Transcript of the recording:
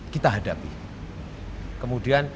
kita hadapi kemudian